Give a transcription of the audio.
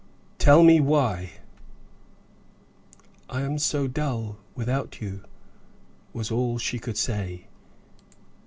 "Tell me why." "I am so dull without you," was all she could say.